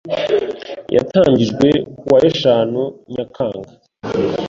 yatangijwe ku wa eshanu Nyakanga